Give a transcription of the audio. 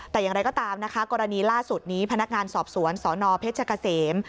แต่อย่างไรก็ตามนะคะกรณีล่าสุดนี้พนักงานสอบสวนสนเพชรเกษม